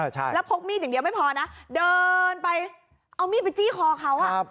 ใช่แล้วพกมีดอย่างเดียวไม่พอนะเดินไปเอามีดไปจี้คอเขา